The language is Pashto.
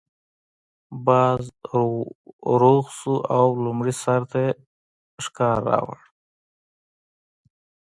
باز روغ شو او لومړي سړي ته یې شکار راوړ.